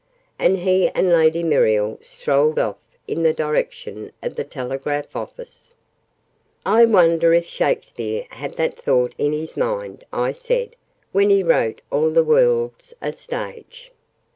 And he and Lady Muriel strolled off in the direction of the Telegraph Office. "I wonder if Shakespeare had that thought in his mind," I said, "when he wrote 'All the world's a stage'?"